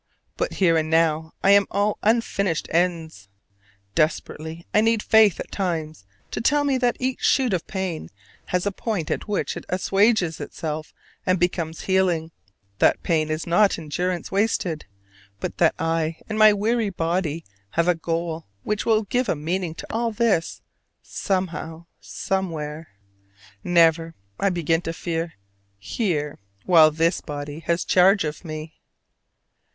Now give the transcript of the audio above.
But here and now I am all unfinished ends. Desperately I need faith at times to tell me that each shoot of pain has a point at which it assuages itself and becomes healing: that pain is not endurance wasted; but that I and my weary body have a goal which will give a meaning to all this, somehow, somewhere: never, I begin to fear, here, while this body has charge of me.